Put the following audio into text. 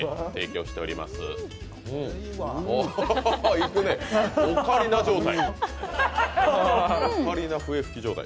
いくね、オカリナ状態。